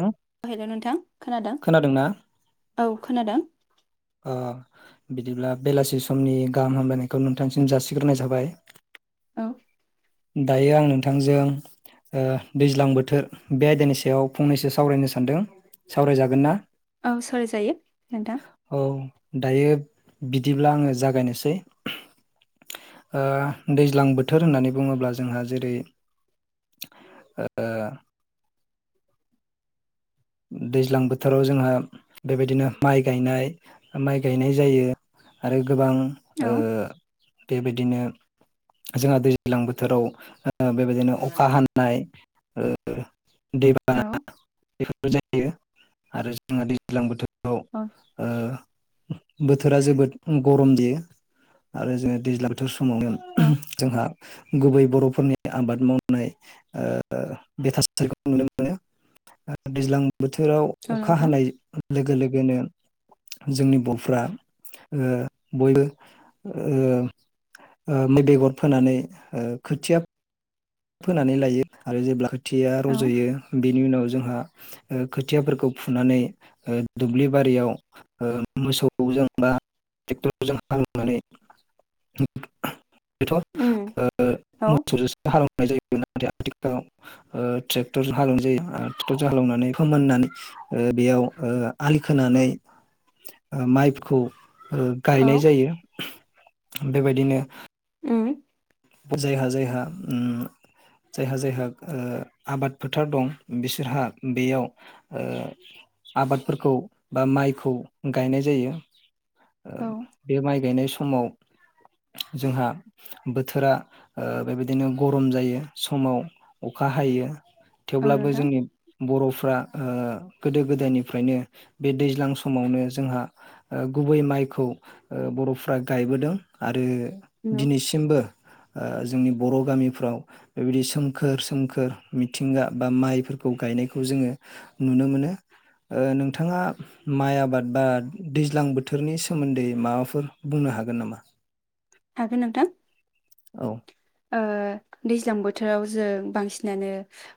थां हेलौ नोंथां खोनादों खोनादोंना औ। खोनादों। अ बिदिब्ला बेलासि समनि गाहाम हामलायनायखौ नोंथांसिम जासिग्रोनाय जाबाय। औ। दायो आं नोंथांजों ओ दैज्लां बोथोर बे आयदानि सायाव फंनैसो सावरायनो सानदों। सावरायजागोन ना? औ सावराय जायो नोंथां। औ दायो बिदिब्ला आङो जागायनोसै ओ दैज्लां बोथोर होननानै बुङोब्ला जोंहा जेरै ओ दैज्लां बोथोराव जोंहा बेबायदिनो माइ गायनाय माइ गायनाय जायो आरो गोबां औ ओ बेबायदिनो जोंहा दैज्लां बोथोराव ओ बेबायदिनो अखा हानाय ओ औ दैबाना बेफोर जायो आरो जोंहा दैज्लां बोथोर याव ओ औ बोथोरा जोबोद गरम जायो आरो जोङो दैज्लां बोथोर औ [unintelligible] गुबै बर'फोरनि आबाद मावनाय ओ बे थासारिखौ नुनो मोनो दैज्लां बोथोराव औ अखा नोंथां हानाय लोगो लोगो गोनो जोंनि बर'फ्रा ओ बयबो ओ ओ बेगर फोनानै ओ खोथिया फोनानै लायो आरो जेब्ला थिया औ रज'यो बेनि उनाव जोंहा खोथियाफोरखौ फुनानै दुब्लि बारियाव मोसौजों बा टेक्टरजों हालेनानै बेथ' ओ उम औ मोसौजोंसो हाले [unintelligible] ओ ट्रेक्टरजों हालेवनाय जायो ट्रेक्टरजों हालेवनानै फोमाननानै ओ बेयाव ओ आलि खोनानै ओ माइखौ ओ औ गायनाय जायो बेबायदिनो ओम जायहा जायहा ओम जायहा जायहा ओ आबाद फोथार दं बिसोरहा बेयाव ओ आबादफोरखौ बा माइखौ गायनाय जायो ओ औ बे माइ गायनाय स समाव जोंहा बो बोथोरा बेबायदिनो गरम जायो समाव अखा हायो औ थेवब्लाबो नोंथां जोंनि बरफ्रा गोदो गोदायनिफ्रायनो बे दैज्लां समावनो जोंहा गुबै माइखौ बरफ्रा गायबोदों आरो औ दिनैसिमबो जोंनि बर गामिफ्राव बेबायदि सोमखोर सोमखोर मिथिंगा बा माइफोरखौ गायनायखौ जोङो नुनो मोनो नोंथाङा माइ आबाद बा दैज्लां बोथोरनि सोमोन्दै माबाफोर बुंनो हागोन नामा हागोन नोंथां औ दैज्लां बोथोराव जों बांसिनानो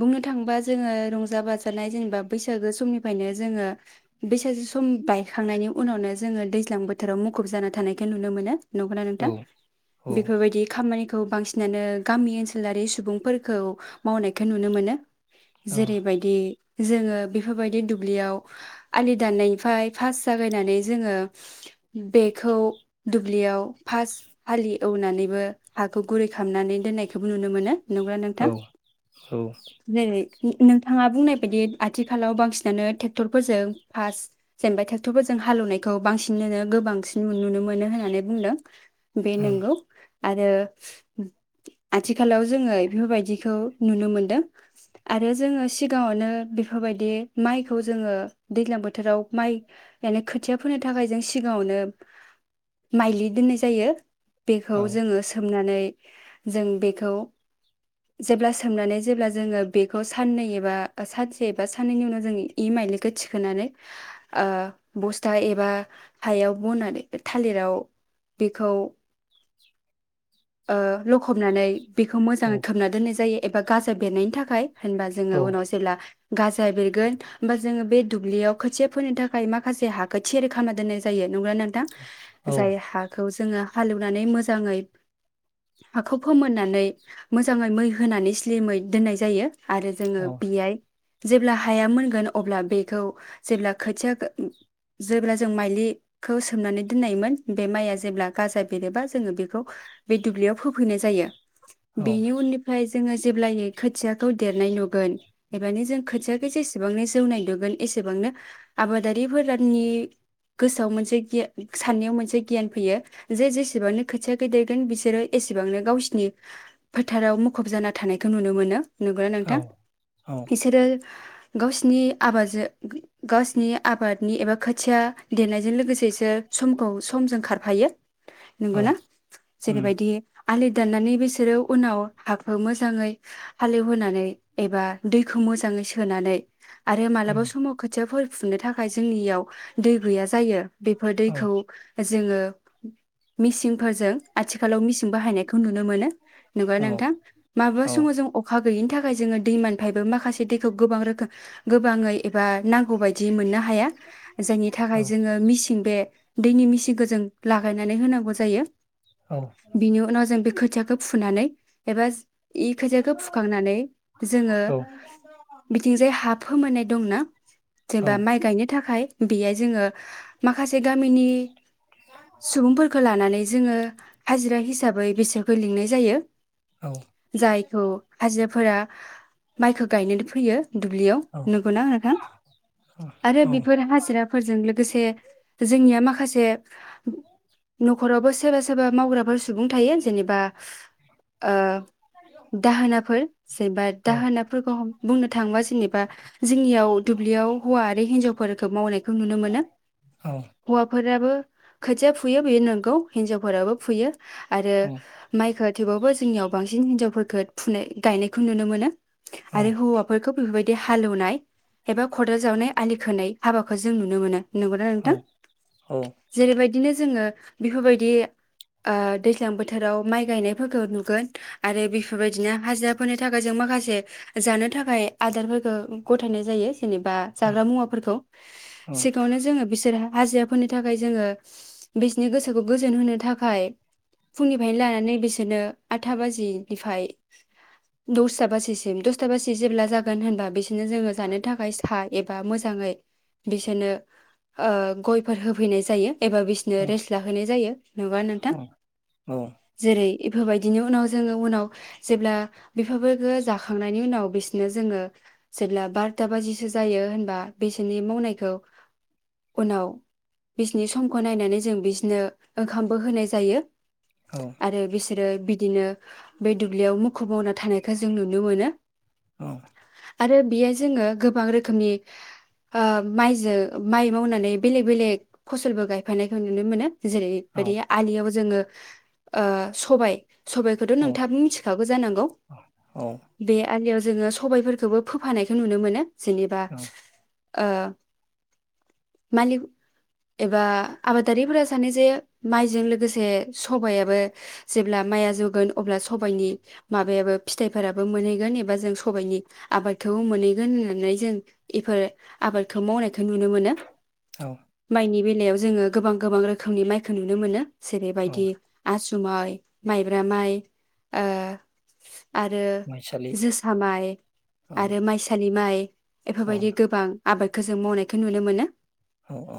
बुंनो थाङोबा जोङो रंजा बाजानाय जेनेबा बैसागो समनिफ्रायनो जोङो बैसागो सम बायखांनायनि उनावनो जोङो दैज्लां बोथोराव मुखुब जाना थानायखौ नुनो मोनो नंगौना औ नोंथां बेफोरबायदि खामानिखौ खौ बांसिन बिसिनानो गामि ओनसोलारि सुबुंफोरखौ मावनायखौ नुनो मोनो जेरैबायदि जोङो बेफोरबायदि दुब्लियाव आलि दाननायनिफ्राय फास्ट जागायनानै जोङो बेखौ दुब्लियाव फास्ट आलि एवनानैबो हाखौ गुरै खामनानै दोननायखौबो नुनो मोनो नंगौ ना नोंथां जेरै नोंथाङा बुंनाय बायदि आथिखालाव बांसिनानो ट्रेक्टरफोरजों फास्ट जेनेबा ट्रेक्टरफोरजों हालेवनायखौ बांसिनोनो गोबांसिन नुनो मोनो होननानै बुंदों बे नोंगौ आरो आथिखालाव जोङो बेफोरबायदिखौ नुनो मोनदों आरो जोङो सिगाङावनो बेफोरबायदि माइखौ जोङो दैज्लां बोथोराव माइ मान खोथिया फोनो थाखाय जों सिगाङावनो माइलि दोननाय जायो बेखौ जोङो सोम नानै जों बेखौ, जेब्ला सोमनानै जेब्ला जोङो बेखौ साननै एबा सानसे एबा साननैनि उनाव जों इ माइलिखौ थिखोनानै बस्था एबा हायाव बनानै थालिराव बेखौ लखबनानै। बेखौ मोजाङै खोबना दोननाय जायो‌। एबा गाजा बेरनायनि थाखाय। होनबा जोङो उनाव जेब्ला गाजा बेरगोन होमबा, जोङो बे दुब्लियाव खोथिया फोनो थाखाय माखासे हाखौ थियेर खालामना दोननाय जायो। नंगौ ना नोंथां? जाय हाखौ जोङो हालेवनानै मोजाङै हाखौ फोमोननानै मोजाङै मै होनानै स्लिमै दोननाय जायो। आरो जोङो बिहाय जेब्ला हाया मोनगोन, अब्ला बेखौ जेब्ला खोथिया जेब्ला जों माइलिखौ सोमनानै दोन्नायमोन। बे माइआ जेब्ला गाजा बेरोबा जोङो बेखौ बे दुब्लियाव फोफैनाय जायो। बेनि उनिफ्रायाय जोङो जेब्लायै खोथियाखौ देरनाय नुगोन। एबानो जों खोथियाखौ जेसेबांनो जौनाय नुगोन एसेबांनो आबादारिफोरनि गोसोआव मोनसे गि साननायाव मोनसे गियान फैयो जे जेसेबांनो खोथियखौै नुगोन बिसोरो एसेबांनो गावसिनि फोथाराव मुखुब जाना थानायखौ नुनो मोनो। नंगौ ना नोंथां? इसोरो गावसिनि आबादजो गावसिनि आबादनि एबा खोथिया देरनायजों लोगोसेसो समखौ समजों खारफायो। नंगौना? जेरबायदि। आलि दाननानै बिसोरो उनाव हाखौ मोजाङै हालेवहोनानै एबा दैखौ मोजाङै सोनानै आरो मालाबा समाव खोथियाफोर फुनो थाखाय जोंनियाव दै गैया जायो। बेफोर दैखौ जोङो मिसिनफोरजों। आथिखालाव मिसिन बाहायनायखौ नुनो मोनो नंगौना नोंथां? माब्लाा समाव जों अखा गोयिनि थाखाय जोङो दैमान फायबो माखासे दैखौ गोबां रोखोम गोबाङै एबा नांगौबायायदि बि मोननो हाया। जायनि थाखाय जोङो मिचिन बे दैनि मिसिनखौ जों लागायनानै होनांगौ जायो। बिनि उनाव जों बे खोथ खोथ्याखौ फुनानै एबा इ खोथियाखौ फुखांनानै जोङो बिथिंजाय हाब फोमोननाय दंना? जेनेबा माइ गायनो थाखाय बेहाय जोङो माखासे गामिनि सुबुंफोरखौ लानानै जोङो हाजिरा हिसाबै बिसोरखो लिंनाय जायो जायखौ हाजिराफोरा माइखो गायनोनै फैयो दुब्लियाव नंगौना नोंथां आरो बेफोर हाजिराफोरजों लो लोगोसे जोंनिया माखासे हरावबो सेबेस सोरबा मावग्राफोर सुबुं थायो जेनेबा ओ दाहोनाफोर सोरबा दाहोनाफोरखौ हम बुंनो थाङोबा जेनेबा जोंनियाव दुब्लियाव हौवा आरो हिन्जावफोरखौ मावनायखौ नुनो मोनो हौवाफोराबो खोथिया फुयो बेयो नंगौ हिनजाव बो फुयो आरो माइखो थेवबाबो जोंनियाव बांसिन हिनजावफोरखौ फुनाय गायनायखौ नुनो मोनो आरो हौआफोरखौ बेफोरबायदि हालौवनाय एबा खदाल जावनाय आलि खोनाय हाबाखौ जों नुनो मोनो नंगौना नोंथां जेरैबायदिनो जोङो बेफोरबायदि ओ दैज्लां बोथोराव माइ गायनायफोरखौ नुगोन आरो बेफोरबायदिनो हाजिराफोरनि थाखाय जों माखासे जानो थाखाय आदारफोरखौ गथायनाय जायो जेनेबा जाग्रा मुवाफोरखौ सिगाङावनो जोङो बिसोरहा हाजिरफोरनि थाखाय जोङो बिसोरनि गोसोखौ गोजोन होनो थाखाय फुंनिफ्रायनो लानानै बिसोरनो आठथा बाजिनिफ्राय दसथा बाजिसिम दसथा बाजि जेब्ला जागोन होनबा बिसोर बिदिनो जोङो जानो थाखाय सा एबा मोजाङै बिसोरनो ओ गयफोर होफैनाय जायो एबा बिसोरनो रेस्ट लाहोनाय जायो नङा नोंथां जे बेफोरबायदिनि उनाव जोङो उनाव जेब्ला बेफोराफोरखौ जाखांनायनि उनाव बिसोरनो जोङो जेब्ला बारथा बाजिसो जायो होनबा बिसोरनि मावनायखौ उनाव बिसनि समखौ नायनानै जों बिसोरनो ओंखामबो होनाय जायो आरो बि जेरै बिदिनो बे दुब्लियाव मुखुबावना थानायखौ जों नुनो मोनो औ आरो बेयो जोङो गोबां रोखोमनि ओ माइजों माइ मावनानै बेलेग बेलेग फसलबो गायफानायखौ नुनो मोनो जेरै बिदि आलियाव जोङो ओ सबाय सबाइखौथ' नोंथाङाब मिथिखागौ जानांगौ बे आलियाव जोङो सबायफोरखौबो फोफानायखौ नुनो मोनो जेनेबा ओ मालिग एबा आबादारिफोरा सानो जे माइजों लोगोसे सबायाबो जेब्ला माइआ जौगोन अब्ला सबायाइनि माबायाबो फिथाइफोराबो मोनहैगोन एबा जों सबाइनि आबादखौबो मोनहैगोन होननानै जों बेफोर आबादखौ मावनाय नुनो मोनो मायनि बे बेलायाव जोङो गोबां गोबां रोखोमनि माइ खौ नुनो मोनो जेरैबायदि आसु सुमाय माइब्रा माइ आरो माइसालि जोसा माइ आरो माइसानि माइ एफोरबायदि गोबां आबादखौ जों मावनायखौ नुनो मोनो औ-औ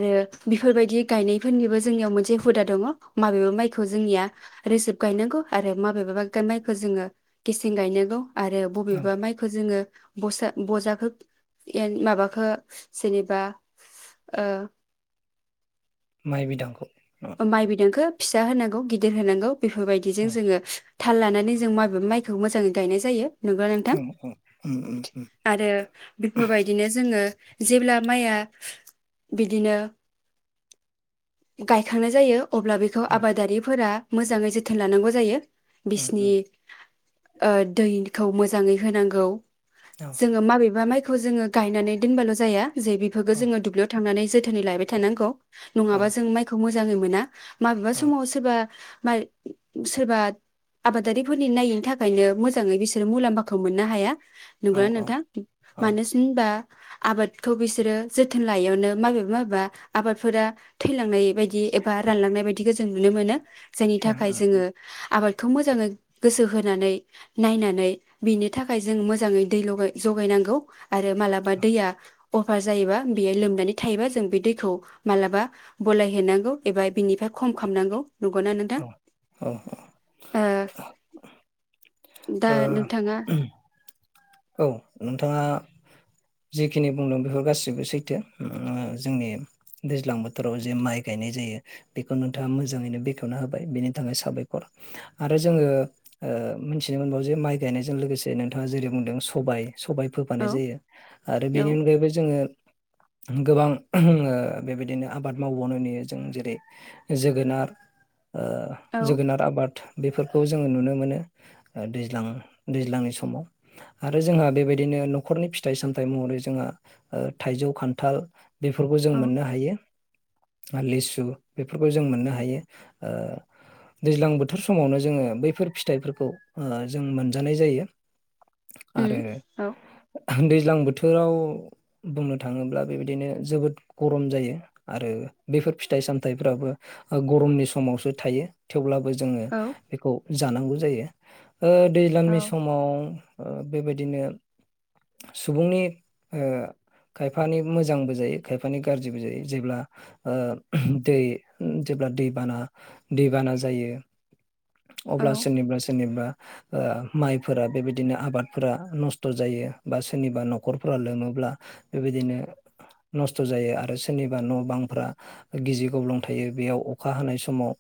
आरो बेफोरबायदि गायनाय फोरनिबो जोंनियाव मोनसे हुदा दङ माबेबा माइखौ जोंनिया रोजोब गायनांगौ आरो माबेबा माइखौ जोङो गेसें गायनांगौ आरो बबेबा माइखौ जोङो बसा बजाखौ ए माबाखो जेनेबा ओ माइ बिदांखौ माइ बिदांखौ फिसा होनांगौ गिदिर होनांगौ बेफोरबायदिजों जोङो थाल लानानै जों माबेबा माइखौ मोजाङै गायनाय जायो नंगौ औ नोंथां उम उम उम आरो बेफोरबायदिनो जोङो जेब्ला माइया बिदिनो गायखांनाय जायो अब्ला बेखौ उम आबादारिफोरा मोजांङै जोथोन लानांगौ जायो उम बिसनि उम ओ दैखौ मोजाङै होनांगौ औ जोङो माबेबा माइ खौ जोङो गायनानै दोनबाल जाया जे बेफोरखौ औ जोङो दुब्लियाव थांनानै जोथोनै लायबाय थानांगौ औ नङाबा जों माइ मोजांङै मोना माबेबा औ समाव सोरबा माइ सोरबा आबादारिफोरनि नायैनि थाखायनो मोजाङै बिसोरो मुलाम्फाखौ मोननो हाया औ नंगौ उम ना नोंथां [unintelligible] होमबा आबादखौ बिसोरो जोथोन लायैयावनो माबेबा माबेबा आबादफोरा थैलांनाय बायदि एबा रानलांनाय बायदिखौ जों नुनो मोनो जायनि थाखाय उम जोङो आबाद बेखौ मोजाङै गोसो होनानै नायनानै बिनि थाखाय जों मोजाङै दै लगाय जगायनांगौ आरो मालाबा दैया अभार जायोबा बेयो लोमनानै थायोबा जों बे दैखौ मालाबा बलाय हैेनांगौ एबा बिनिफ्राय खम खालामनांगौ नंगौना नोंथां औ औ ओ दा नोंथाङा औ नोंथाङा जिखिनि बुंदों बेफोर गासिबो सैथो उम जोंनि दैज्लां बोथोराव जे माइ गायनाय जायो बेखौ नोंथाङा मोजाङैनो बेखेवना होबाय बेनि थाखाय साबायखर आरो जोङो ओ मिथिनो मोनबावो जे माइ गायनायजों लोगोसे नोंथाङा जेरै बुंदों सबाय सबाय औ फोफानाय जायो आरो बेनि औ अनगायैबो जोङो गोबां ओ बेबायदिनो आबाद मावबावनाय नुयो जों जेरै जोगोनार ओ औ जोगोनार आबाद बेफोरखौ जोङो नुनो मोनो ओ दैज्लां दैज्लांनि समाव आरो जोंहा बेबायदिनो नखरनि फिथाइ सामथाइ महरै जोंहा ओ थाइजौ खान्थाल बेफोरखौ जों औ मोननो हायो [unintelligible] लिसु बेफोरखौ जों मोननो हायो ओ दैज्लां बोथोर समावनो जोङो बैफोर फिथाइफोरखौ ओ जों मोनजानाय जायो आरो उम औ दैज्लां बोथोराव बुंनो थाङोब्ला बेबायदिनो जोबोद गरम जायो आरो बेफोर फिथाइ सामथाइफ्राबो गरमनि समावसो थायो थेवब्लाबो जोङो औ बेखौ जानांगौ जायो ओ औ दैज्लांनि समाव ओ बेबायदिनो सुबुंनि ओ खायफानि मोजांबो जायो खायफानि गाज्रिबो जायो जेब्ला ओ दै जेब्ला दै बाना दैबाना जायो अब्ला औ सोरनिबा सोरनिबा ओ माइफोरा बेबाय दिनो आबादफोरा नस्थ जायो बा सोरनिबा नखरफोरा लोङोब्ला बेबायदिनो नस्थ जायो आरो सोरनिबा न बांफ्रा गिजि गब्लं थायो बेयाव अखा हानाय समाव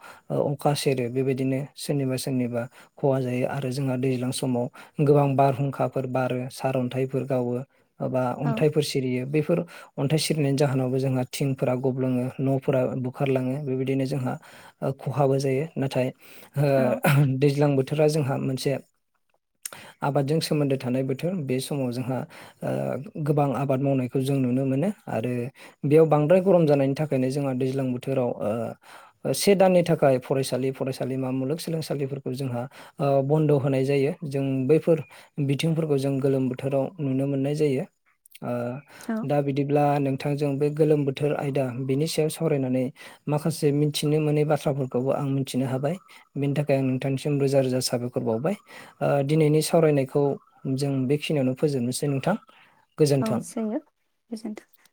अखा सेरो बेबायदिनो सोरनिबा सोरनिबा खहा जायो आरो जोंहा दैज्लां समाव गोबां बारहुंखाफोर बारो सारन्थाइफोर गावो बा औ अन्थाइफोर सिरियो बेफोर अन्थाइ सिरिनायनि जाहोनावबो जोंहा थिंफोरा गबलङो नफोरा बुखारलाङो बेबायदिनो जोंहा ओ खहाबो जायो नाथाय ओ औ दैज्लां बोथो रा जोंहा मोनसे आबादजों सोमोन्दो थानाय बोथोर बे समाव जोंहा ओ गोबां आबाद मावनायखौ जों नुनो मोनो आरो बेयाव बांद्राय गरम जानायनि थाखायनो जोंहा दैज्लां बोथोराव ओ से दाननि थाखाय फरायसालि फरायसालिमा मुलुगसोलोंसालिफोरखौ जोंहा ओ बन्द होनाय जायो जों बैफोर बिथिंफोरखौ जों गोलोम बोथोराव नुनो मोननाय जायो ओ औ दा बिदिब्ला नोंथां दा जों बे गोलोम बोथोर आयदा बिनि सायाव सावरायनानै माखासे मिथिनो मोनै बाथ्राफोरखौबो आं मिथिनो हाबाय बेनि थाखाय आं नोंथांनिसिम रोजा रोजा साबायखर बावबाय। ओ दिनैनि सावरायनायखौ जों बेखिनियावनो फोजोबनोसै नोंथां। औ गोजोन्थों। सयो गोजोनथों।